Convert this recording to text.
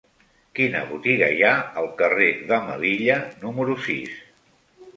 Quina botiga hi ha al carrer de Melilla número sis?